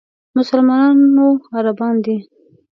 مسلمانانو عربان دي.